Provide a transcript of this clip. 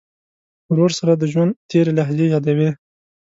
ورور سره د ژوند تېرې لحظې یادوې.